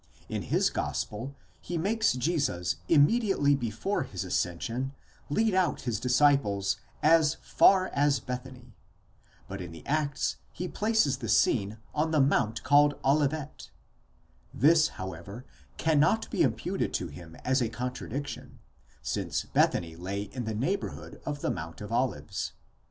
In his gospel he makes Jesus immediately before his ascension, lead out his disciples as far as Bethany ἕως εἰς Βηθανίαν, but in the Acts he places the scene on the mount called Olivet ὄρος τὸ καλούμενον ἐλαιῶνα ; this, however, cannot be imputed to him as a con tradiction, since Bethany lay in the neighbourhood of the mount of Olives.!